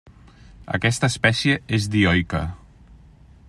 Aquesta espècie és dioica.